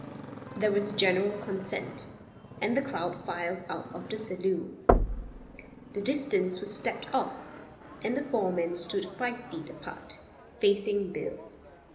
There was a general consent, and the crowd filed out of the saloon. The distance was stepped off, and the four men stood five feet apart, facing Bill.